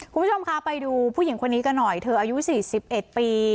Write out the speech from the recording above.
คุณผู้ชมคะไปดูผู้หญิงคนนี้กันหน่อยเธออายุ๔๑ปี